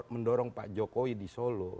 mendorong pak jokowi di solo